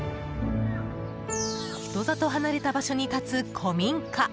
人里離れた場所に立つ古民家。